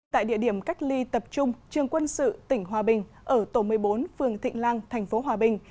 tại địa điểm cách ly tập trung trường quân sự tỉnh hòa bình ở tổ một mươi bốn phường thịnh lan thành phố hòa bình